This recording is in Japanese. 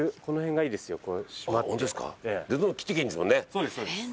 そうですそうです。